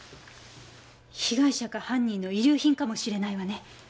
被害者か犯人の遺留品かもしれないわね。